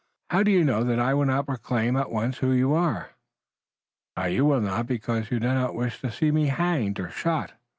"How do you know that I will not proclaim at once who you are?" "You will not because you do not wish to see me hanged or shot."